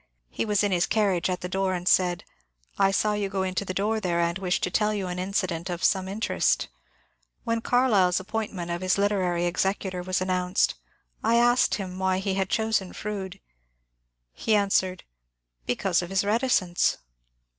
He was in his carriage at the door, and said, ^^ I saw you go into the door there, and wished to tell you an incident of some interest. When Carlyle's ap pointment of his literary executor was announced, I asked him why he had chosen Froude. He answered, *• Because of his reticence